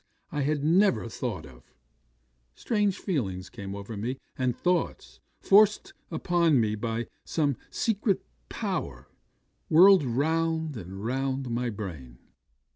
This I had never thought of. Strange feelings came over me, and thoughts, forced upon me by some secret power, whirled round and round my brain.